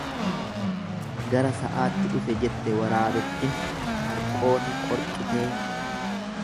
Gara sa'aatti dhufe jette waraabettin harqoota qorqitee.